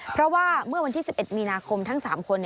เพราะว่าเมื่อวันที่๑๑มีนาคมทั้ง๓คน